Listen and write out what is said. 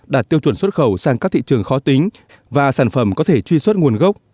đạt tiêu chuẩn xuất khẩu sang các thị trường khó tính và sản phẩm có thể truy xuất nguồn gốc